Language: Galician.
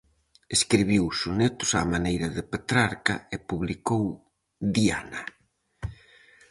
Escribiu sonetos á maneira de Petrarca e publicou "Diana".